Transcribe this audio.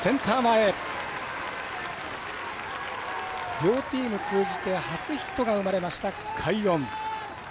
両チーム通じて初ヒットが生まれました快音！